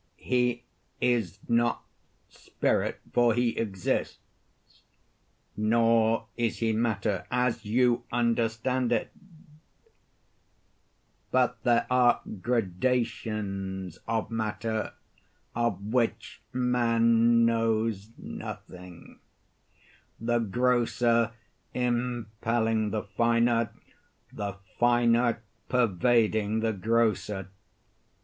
_] He is not spirit, for he exists. Nor is he matter, as you understand it. But there are gradations of matter of which man knows nothing; the grosser impelling the finer, the finer pervading the grosser.